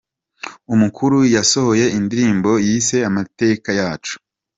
Umukuru yasohoye indirimbo yise ‘Amateka Yacu.